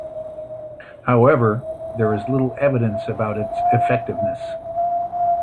However, there is little evidence about its effectiveness.